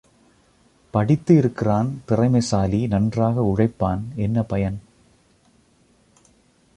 படித்து இருக்கிறான் திறமைசாலி நன்றாக உழைப்பான் என்ன பயன்?